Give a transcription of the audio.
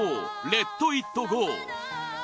「レット・イット・ゴー」